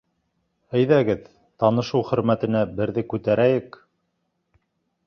Әйҙәгеҙ, танышыу хөрмәтенә берҙе күтәрәйек!